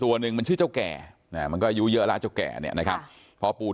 ตัวนึงมันชื่อเจ้าแก่มันก็อายุเยอะละเจ้าแก่นะครับพอปู่